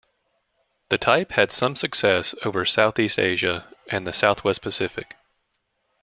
The type had some success over South East Asia and the South West Pacific.